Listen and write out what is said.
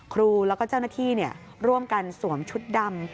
ครูแล้วก็เจ้าหน้าที่ร่วมกันสวมชุดดำ